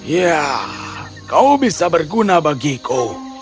ya kau bisa berguna bagiku